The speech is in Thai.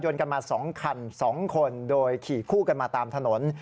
กันมา๒คัน๒คนโดยขี่คู่กันมาตามถนน